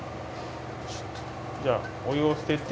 じゃあお湯を捨てて。